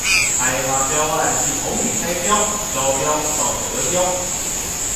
開發標案是從你開標、招標到得標